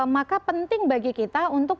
maka penting bagi kita untuk